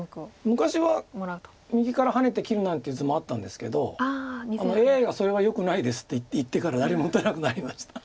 昔は右からハネて切るなんていう図もあったんですけどＡＩが「それはよくないです」って言ってから誰も打たなくなりました。